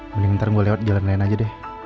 mending ntar gue lewat jalan lain aja deh